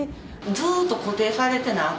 ずっと固定されてなあ